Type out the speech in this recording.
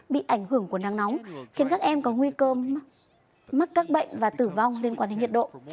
bị ảnh hưởng của nắng nóng khiến các em có nguy cơ mắc các bệnh và tử vong liên quan đến nhiệt độ